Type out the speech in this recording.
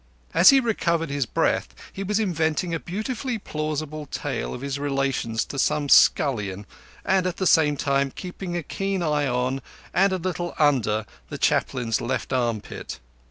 As he recovered his breath he was inventing a beautifully plausible tale of his relations to some scullion, and at the same time keeping a keen eye on and a little under the Chaplain's left arm pit.